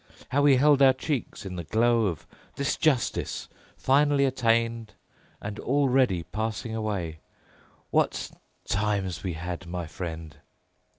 How we held our cheeks in the glow of this justice, finally attained and already passing away! What times we had, my friend!"